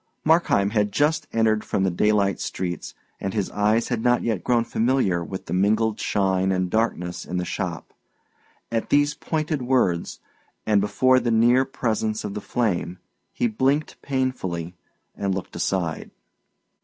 Markheim had but just entered from the daylight streets, and his eyes had not yet grown familiar with the mingled shine and darkness in the shop. At these pointed words, and before the near presence of the flame, he blinked painfully and looked aside.